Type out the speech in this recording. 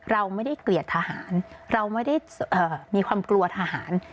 เราไม่ได้เกลียดทหารเราไม่ได้มีความกลัวทหาร